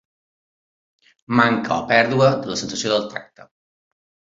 Manca o pèrdua de la sensació del tacte.